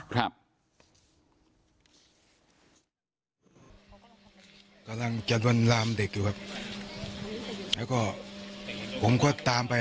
ผมเลยไม่กล้าตามเลยเลยกลับมาที่โรงพักมาแกล้งความพร้อม